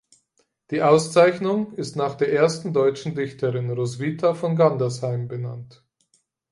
Die Auszeichnung ist nach der ersten deutschen Dichterin Roswitha von Gandersheim benannt.